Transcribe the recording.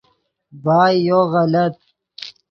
بائے یو غلط